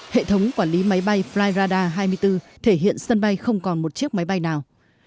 hệ thống quản lý máy bay flyradar hai mươi bốn thể hiện sân bay không còn một chiếc máy bay nào